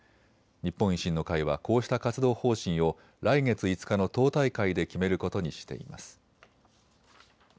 日本維新の会はこうした活動方針を来月５日の党大会で決めることにしています。